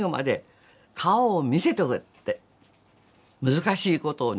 難しいことをね